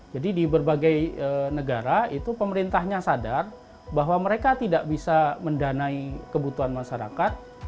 jadi di berbagai negara itu pemerintahnya sadar bahwa mereka tidak bisa mendanai kebutuhan masyarakat